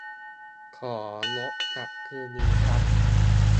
ของดจัดคืนนี้ครับ